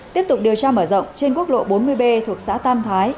tiếp tục điều tra mở rộng trên quốc lộ bốn mươi b thuộc xã tam thái